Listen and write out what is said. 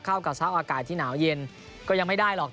เข้ากับท่าวอากาศที่หนาวเย็น